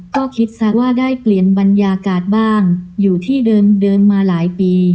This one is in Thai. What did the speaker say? ก็คิดสักว่าได้เปลี่ยนบรรยากาศบ้างอยู่ที่เดิมมาหลายปี